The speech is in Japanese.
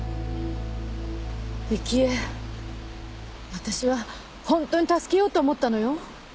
私はホントに助けようと思ったのよ。